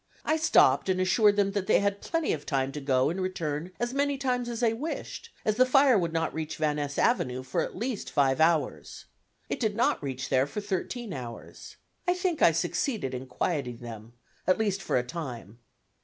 I stopped and assured them that they had plenty of time to go and return as many times as they wished, as the fire would not reach Van Ness Avenue for at least five hours. It did not reach there for thirteen hours. I think I succeeded in quieting them, at least for a time.